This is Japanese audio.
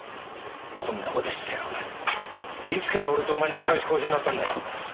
こんなことしてお前いつから俺とお前仲よしこよしになったんだよ